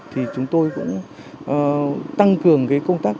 thì chúng tôi cũng tăng cường công tác